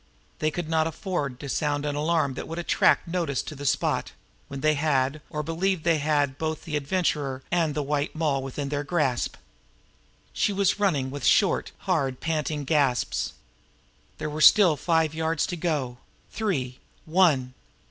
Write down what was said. They could not afford to sound an alarm that would attract notice to the spot when they had, or believed they had, both the Adventurer and the White Moll within their grasp now. She was running now with short, hard, panting gasps. There were still five yards to go three one!